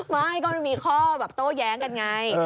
ไม่ก็มันมีข้อโต้แย้งกันไง